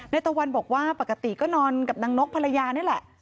ตะวันบอกว่าปกติก็นอนกับนางนกภรรยานี่แหละ